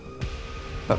bisa mencari koneksi